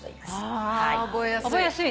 あ覚えやすい。